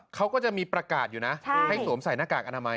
เขาก็จะมีประกาศอยู่นะให้สวมใส่หน้ากากอนามัย